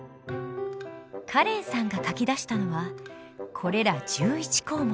カレンさんが書き出したのはこれら１１項目。